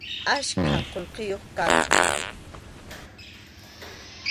Achka qullqiyuq karqan.